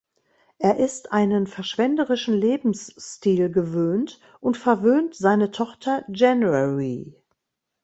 Er ist einen verschwenderischen Lebensstil gewöhnt und verwöhnt seine Tochter January.